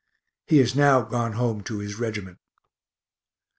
He is now gone home to his reg't.